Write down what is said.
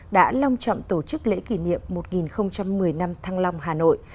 đã long trọng tổ chức lễ kỷ niệm một nghìn một mươi năm thăng long hà nội